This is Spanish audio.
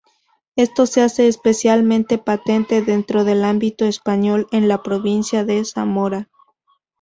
Esto se hace especialmente patente dentro del ámbito español en la provincia de Zamora.